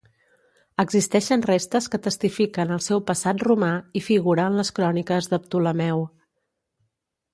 Existeixen restes que testifiquen el seu passat romà i figura en les cròniques de Ptolemeu.